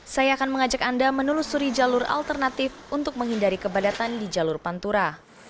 saya akan mengajak anda menelusuri jalur alternatif untuk menghindari kebadatan di jalur pantura